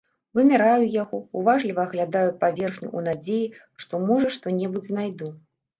Вымяраю яго, уважліва аглядаю паверхню ў надзеі, што, можа, што-небудзь знайду.